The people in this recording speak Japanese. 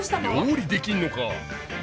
料理できんのか。